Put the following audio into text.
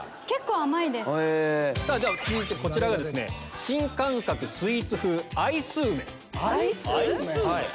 では続いてこちらが新感覚スイーツ風アイス梅。